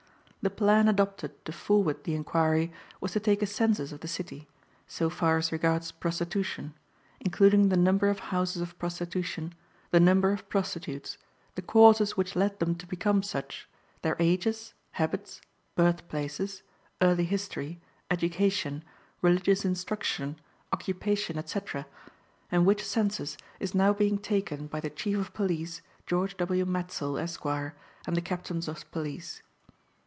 The plan adopted to forward the inquiry was to take a census of the city, so far as regards prostitution, including the number of houses of prostitution; the number of prostitutes; the causes which led them to become such; their ages, habits, birth places, early history, education, religious instruction, occupation, etc., and which census is now being taken by the Chief of Police, George W. Matsell, Esq., and the Captains of Police.